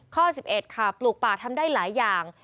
ข้อ๑๑ค่ะปลูกป่าทำได้หลายอย่าง